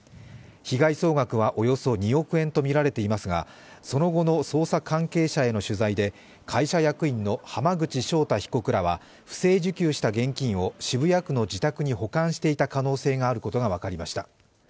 被害総額は、およそ２億円とみられていますが、その後の捜査関係者への取材で、会社役員の浜口正太被告らは、不正受給した現金を渋谷区の自宅に保管していた可能性があることが分かりました。